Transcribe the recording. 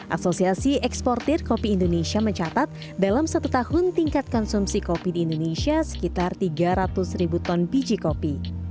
asosiasi eksportir kopi indonesia mencatat dalam satu tahun tingkat konsumsi kopi di indonesia sekitar tiga ratus ribu ton biji kopi